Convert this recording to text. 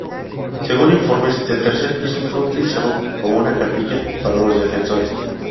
Según informes, el tercer piso fue utilizado como una capilla para los defensores.